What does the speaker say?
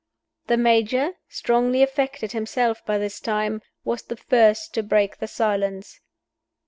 The Major strongly affected himself by this time was the first to break the silence.